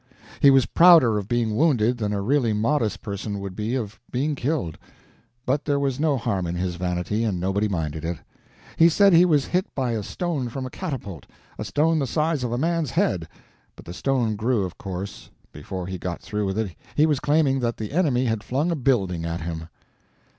He was prouder of being wounded than a really modest person would be of being killed. But there was no harm in his vanity, and nobody minded it. He said he was hit by a stone from a catapult—a stone the size of a man's head. But the stone grew, of course. Before he got through with it he was claiming that the enemy had flung a building at him.